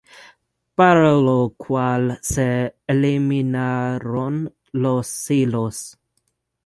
Para lo cual se eliminaron los silos.